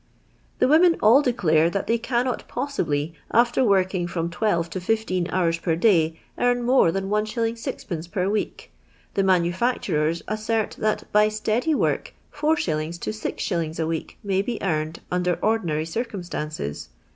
"* The women all declare that they cannot possibly, after working from twelve to fifteen hours per day, earn more than \s. 6d. per week. The manufacturers assert that, by steady work, is, to 6^. a week may be earned under ordinary circumstances.